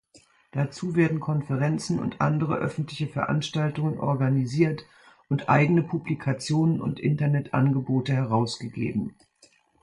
Dazu werden Konferenzen und andere öffentliche Veranstaltungen organisiert und eigene Publikationen und Internet-Angebote herausgegeben.